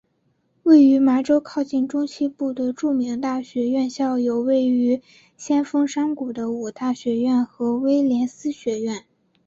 位于麻州靠近中西部的著名大学院校有位于先锋山谷的五大学院和威廉斯学院。